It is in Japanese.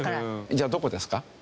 じゃあどこですか？